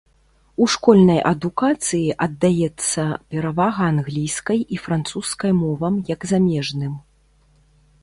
У школьнай адукацыі аддаецца перавага англійскай і французскай мовам як замежным.